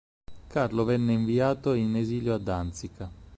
Carlo venne inviato in esilio a Danzica.